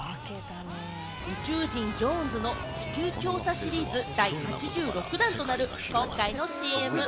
宇宙人・ジョーンズの地球調査シリーズ第８６弾となる今回のＣＭ。